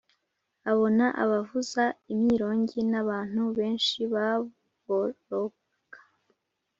abona abavuza imyirongi n abantu benshi baboroga